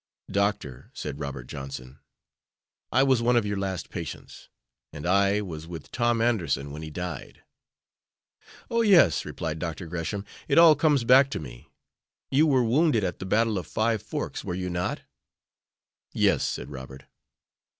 "Doctor," said Robert Johnson, "I was one of your last patients, and I was with Tom Anderson when he died." "Oh, yes," replied Dr. Gresham; "it all comes back to me. You were wounded at the battle of Five Forks, were you not?" "Yes," said Robert.